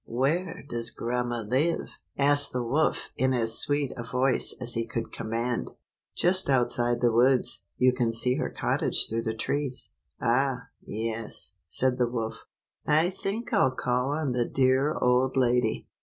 "Where does grandma live?" asked the wolf in as sweet a voice as he could command. "Just outside the woods. You can see her cottage through the trees." "Ah, yes;" said the wolf. "I think I'll call on the dear old lady.